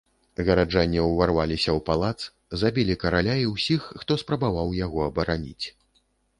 Гараджане ўварваліся ў палац, забілі караля і ўсіх, хто спрабаваў яго абараніць.